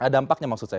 dampaknya maksud saya